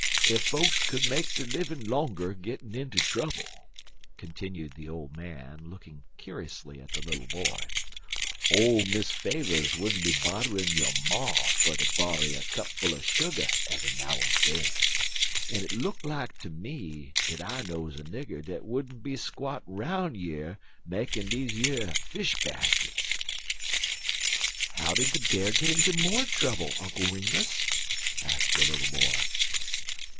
Ef folks could make der livin' longer gittin' inter trubble," continued the old man, looking curiously at the little boy, "ole Miss Favers wouldn't be bodder'n yo' ma fer ter borry a cup full er sugar eve'y now en den; en it look like ter me dat I knows a nigger dat wouldn't be squattin' 'roun' yer makin' dese yer fish baskits." "How did the Bear get into more trouble, Uncle Remus?" asked the little boy.